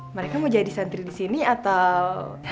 mereka mau jadi santri di sini atau